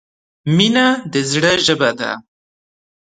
• مینه د زړۀ ژبه ده.